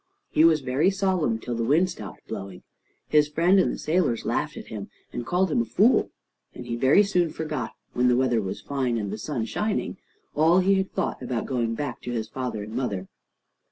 He was very solemn till the wind stopped blowing. His friend and the sailors laughed at him, and called him a fool, and he very soon forgot, when the weather was fine and the sun shining, all he had thought about going back to his father and mother.